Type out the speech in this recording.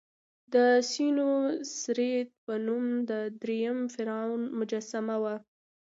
د سینوسریت په نوم د دریم فرعون مجسمه وه.